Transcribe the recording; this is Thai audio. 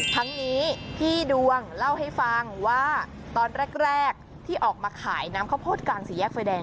ทั้งนี้พี่ดุ้งเล่าให้ฟังว่าตอนแรกที่ออกมาขายน้ำข้าวโพด